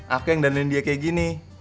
aku yang danin dia kayak gini